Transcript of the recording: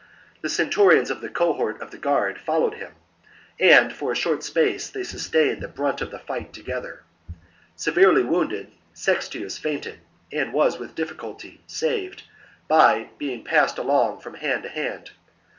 The centurions of the cohort on guard followed him, and for a short space they sustained the brunt of the fight together. Severely wounded, Sextius fainted and was with difficulty saved by being passed along from hand to hand.